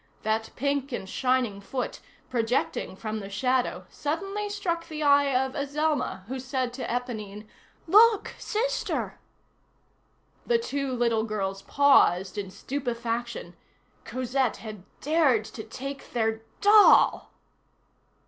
That pink and shining foot, projecting from the shadow, suddenly struck the eye of Azelma, who said to Éponine, "Look! sister." The two little girls paused in stupefaction; Cosette had dared to take their doll!